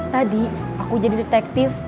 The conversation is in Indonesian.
tadi aku jadi detektif